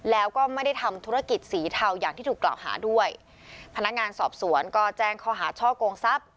แล้วก็ไม่ได้ทำธุรกิจสีเทาอย่างที่ถูกกล่าวหาด้วยพนักงานสอบสวนก็แจ้งข้อหาช่อกงทรัพย์